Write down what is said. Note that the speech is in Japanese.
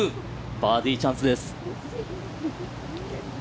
バーディーチャンスです。